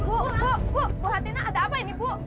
bu bu bu bu hatina ada apa ini bu